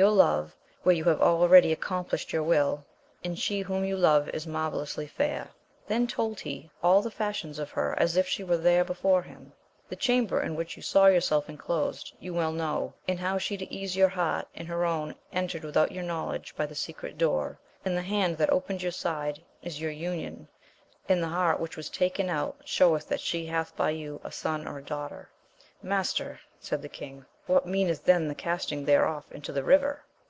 You love, where you have al ready accomplished your will, and she whom you love is marvellously fair; then told he all the fashions of her as if she were there before him. The chamber in which you saw yourself enclosed, you well know, and how she to ease your heart and her own, entered without your knowledge by the secret door ; and the hand that opened your side, is your union, and the heart which was taken out sheweth that she hath by you a son or a daughter. Master, said the king, what meaneth then the casting thereof into the river